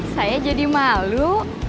saya jadi malu